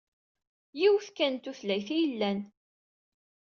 Yiwet kan n tutlayt ay yellan.